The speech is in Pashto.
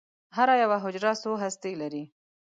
هره یوه حجره څو هستې لري.